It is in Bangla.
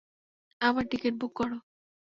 আমার টিকেট বুক করো।